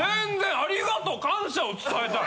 ありがとう！感謝を伝えたい。